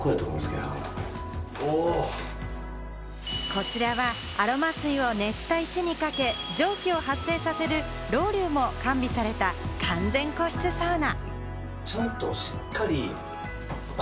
こちらはアロマ水を熱した石にかけ、蒸気を発生させるロウリュも完備された完全個室サウナ。